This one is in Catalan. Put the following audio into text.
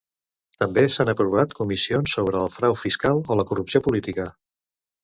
També s'han aprovat comissions sobre el frau fiscal o la corrupció política.